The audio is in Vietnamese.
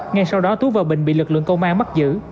ngay sau đó tú và bình bị lực lượng công an bắt giữ